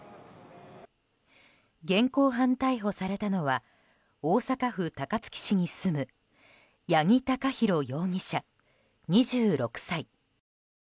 現行犯逮捕されたのは大阪府高槻市に住む八木貴寛容疑者、２６歳。